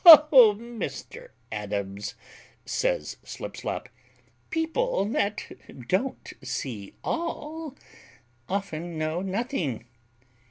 "O Mr Adams," says Slipslop, "people that don't see all, often know nothing.